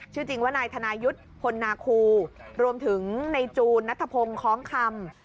จริงว่านายธนายุทธ์พลนาคูรวมถึงในจูนนัทพงศ์คล้องคำ